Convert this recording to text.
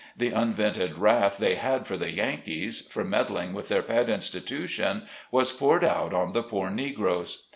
The unvented wrath they had for the Yankees, for meddling with their pet institution, was poured out on the poor Negroes.